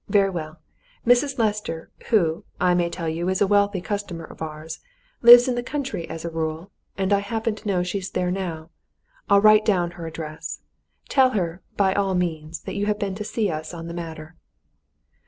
Very well Mrs. Lester, who, I may tell you, is a wealthy customer of ours, lives in the country as a rule, and I happen to know she's there now. I'll write down her address. Tell her, by all means, that you have been to see us on the matter."